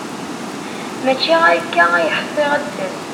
Mačči akka ay ḥṣiɣ ad d-tas.